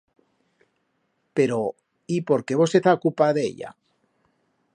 Pero y por qué vos hez a ocupar d'ella?